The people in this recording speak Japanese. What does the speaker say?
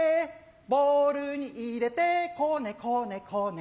ボウルに入れてこねこねこね